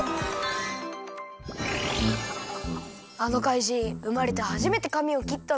あのかいじんうまれてはじめてかみをきったのか。